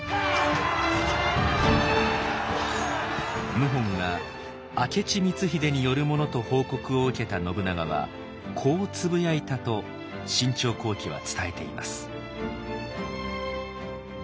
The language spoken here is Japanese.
謀反が明智光秀によるものと報告を受けた信長はこうつぶやいたと「信長公記」は伝えています。